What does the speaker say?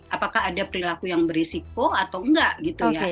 apakah ada perilaku yang berisiko atau tidak